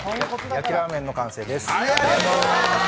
焼ラーメンの完成です。